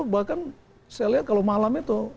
bahkan saya lihat kalau malam itu